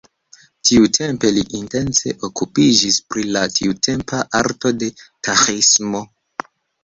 Tiutempe li intense okupiĝis pri la tiutempa arto de taĥismo.